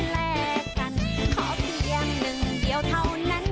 แลกกันขอเพียงหนึ่งเดียวเท่านั้น